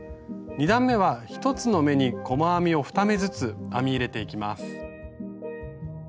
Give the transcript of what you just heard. ２段めは１つの目に細編みを２目ずつ編み入れていきます。